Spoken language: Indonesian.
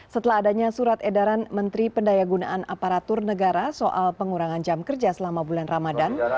setelah adanya surat edaran menteri pendaya gunaan aparatur negara soal pengurangan jam kerja selama bulan ramadan